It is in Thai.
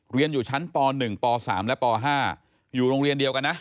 เรียนอยู่ชั้นป๑ป๓และป๕อยู่โรงเรียนเดียวกันนะ